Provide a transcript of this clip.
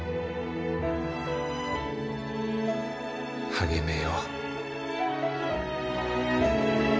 励めよ